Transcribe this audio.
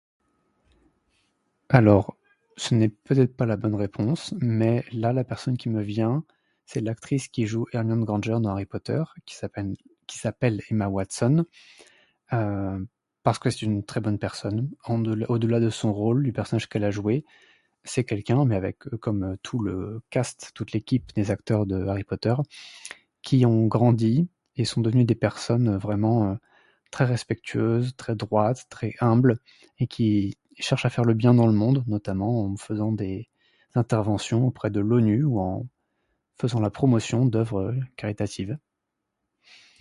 "Alors, ce n'est peut-être pas la bonne réponse mais, là, la personne qui me vient, c'est l'actrice qui joue Hermione Granger dans Harry Potter, qui s'appelle, qui s'appelle Emma Watson, euh, parce que c'est une très bonne personne au delà de son rôle, du personnage qu'elle a joué. C'est quelqu'un, mais avec... comme tout le ""cast"", toute l'équipe des acteurs de Harry Potter qui ont grandi et sont devenus des personnes vraiment très respectueuses, très droites, très humbles et qui, qui cherchent à faire le bien dans le monde, notamment en faisant des interventions auprès de l'ONU ou en faisant la promotion d’œuvres caritatives."